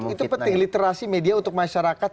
itu penting literasi media untuk masyarakat